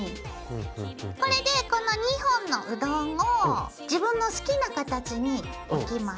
これでこの２本のうどんを自分の好きな形に置きます。